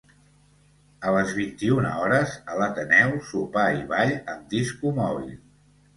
A les vint-i-una hores, a l'Ateneu, sopar i ball amb disco mòbil.